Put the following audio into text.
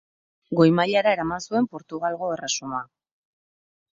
Goi mailara eraman zuen Portugalgo erresuma.